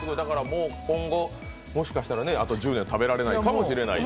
今後、もしかしたらあと１０年食べられないかもしれない。